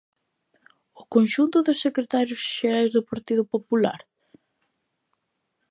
¿O conxunto dos secretarios xerais do Partido Popular?